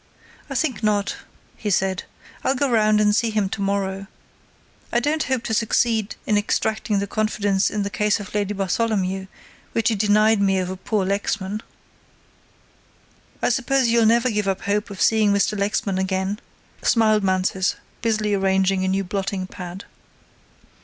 "I think not," he said, "I'll go round and see him to morrow. I don't hope to succeed in extracting the confidence in the case of Lady Bartholomew, which he denied me over poor Lexman." "I suppose you'll never give up hope of seeing Mr. Lexman again," smiled Mansus, busily arranging a new blotting pad.